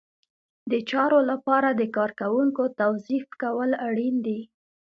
د چارو لپاره د کارکوونکو توظیف کول اړین دي.